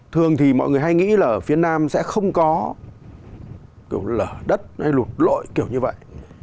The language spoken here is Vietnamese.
thường thì mọi người hay nghĩ là ở phía nam sẽ không có kiểu lở đất hay lụt lội kiểu như vậy